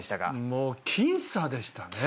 もう僅差でしたね。